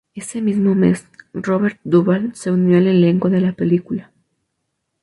Ese mismo mes, Robert Duvall se unió al elenco de la película.